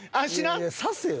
いやいや刺せよ。